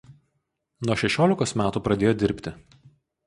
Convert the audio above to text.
Nuo šešiolikos metų pradėjo dirbti.